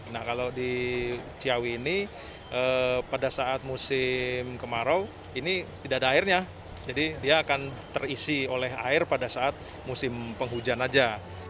nah kalau di ciawi ini pada saat musim kemarau ini tidak ada airnya jadi dia akan terisi oleh air pada saat musim penghujan aja